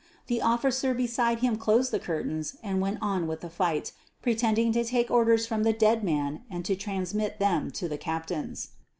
The officer beside him closed the curtains and went on with the fight, pretending to take orders from the dead man and to transmit them to the captains.